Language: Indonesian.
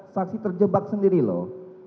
saksi terjebak sendiri loh